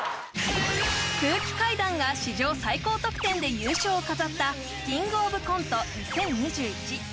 空気階段が史上最高得点で優勝を飾った「キングオブコント２０２１」